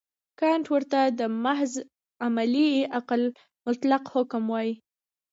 کانټ ورته د محض عملي عقل مطلق حکم وايي.